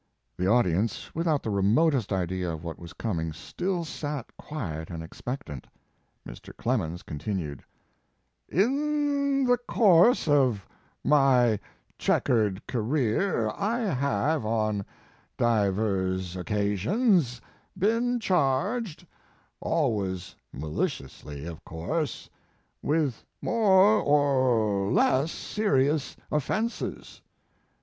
The audience, without the remotest idea of what was coming still sat quiet and expectant. Mr. Clemens continued; "In the course of my checkered career I have, on diverse occasions, been charged, always maliciously, of course, 164 Mark Twain with more or less serious offenses.